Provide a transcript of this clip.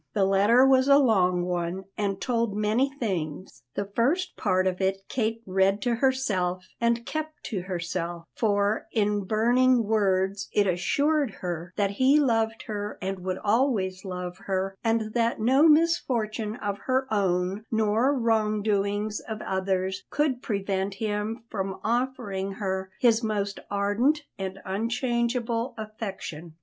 The letter was a long one and told many things. The first part of it Kate read to herself and kept to herself, for in burning words it assured her that he loved her and would always love her, and that no misfortune of her own nor wrongdoings of others could prevent him from offering her his most ardent and unchangeable affection.